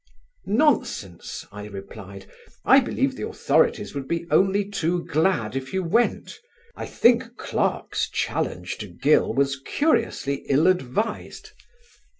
"Nonsense," I replied, "I believe the authorities would be only too glad if you went. I think Clarke's challenge to Gill was curiously ill advised.